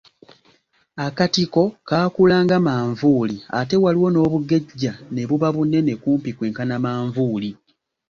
Akatiko kaakula nga manvuuli, ate waliwo n’obugejja ne buba bunene kumpi kwenkana manvuuli.